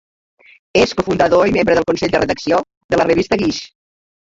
És cofundador i membre del consell de redacció de la revista Guix.